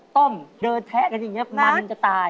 ต้มเดินแทะกันอย่างนี้มันจะตาย